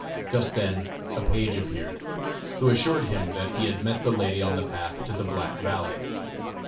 Just then a page appeared, who assured him that he had met the lady on the path to the Black Valley.